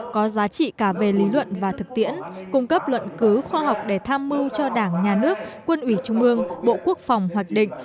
có giá trị cả về lý luận và thực tiễn cung cấp luận cứu khoa học để tham mưu cho đảng nhà nước quân ủy trung ương bộ quốc phòng hoạch định